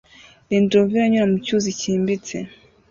Land Rover iranyura mucyuzi cyimbitse